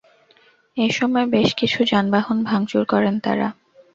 এ সময় বেশ কিছু যানবাহন ভাঙচুর করেন তাঁরা।